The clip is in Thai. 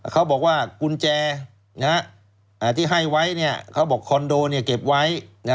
เขาบอกว่ากุญแจที่ให้ไว้เขาบอกคอนโดเก็บไว้